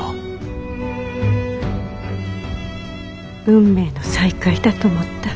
運命の再会だと思った。